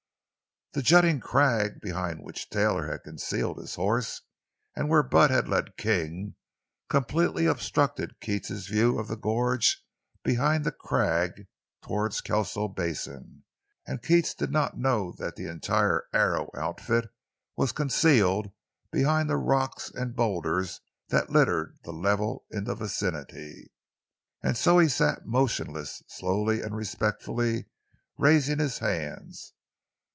The jutting crag behind which Taylor had concealed his horse, and where Bud had led King, completely obstructed Keats's view of the gorge behind the crag, toward Kelso Basin, and Keats did not know but that the entire Arrow outfit was concealed behind the rocks and boulders that littered the level in the vicinity. And so he sat motionless, slowly and respectfully raising his hands.